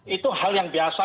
itu hal yang biasa